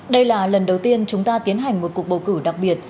đây là lần đầu tiên chúng ta tiến hành một cuộc bầu cử đặc biệt